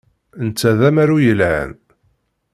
Netta d amaru yelhan.